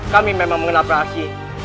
kami memang mengenal praksi